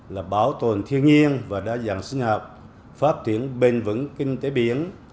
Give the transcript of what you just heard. là bảo tồn thiên nhiên và đa dạng sinh học phát triển bền vững kinh tế biển